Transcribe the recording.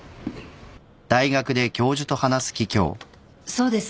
そうです。